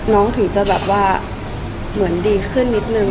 ถึงจะแบบว่าเหมือนดีขึ้นนิดนึง